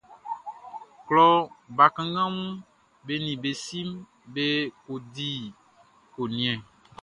Klɔ bakannganʼm be nin be siʼm be kɔ di ko njɛn.